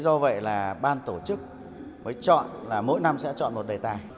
do vậy là ban tổ chức mới chọn là mỗi năm sẽ chọn một đề tài